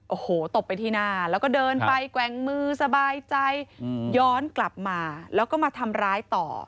โอ้โหตบไปที่หน้าแล้วก็เดินไปแกว่งมือสบายใจย้อนกลับมาแล้วก็มาทำร้ายต่อ